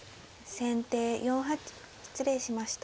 先手４八失礼しました。